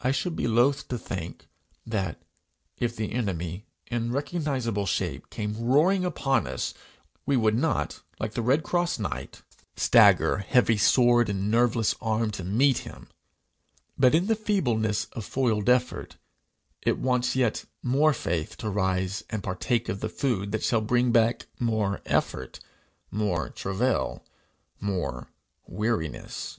I should be loth to think that, if the enemy, in recognizable shape, came roaring upon us, we would not, like the red cross knight, stagger, heavy sword in nerveless arm, to meet him; but, in the feebleness of foiled effort, it wants yet more faith to rise and partake of the food that shall bring back more effort, more travail, more weariness.